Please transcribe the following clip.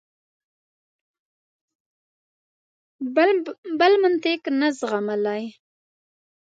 بل منطق نه زغملای.